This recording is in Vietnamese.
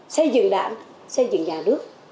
xây dựng đảng xây dựng nhà nước